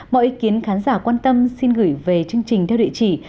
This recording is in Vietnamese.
mọi ý kiến khán giả quan tâm xin gửi về chương trình theo địa chỉ